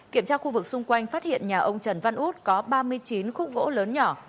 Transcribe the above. kiểm tra khu vực xung quanh phát hiện nhà ông trần văn út có ba mươi chín khúc gỗ lớn nhỏ